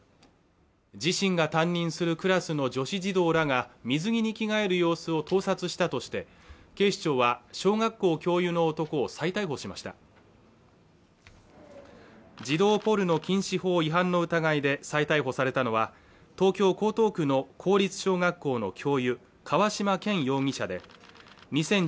自身が担任するクラスの女子児童らが水着に着替える様子を盗撮したとして警視庁は小学校教諭の男を再逮捕しました児童ポルノ禁止法違反の疑いで再逮捕されたのは東京・江東区の公立小学校の教諭河嶌健容疑者です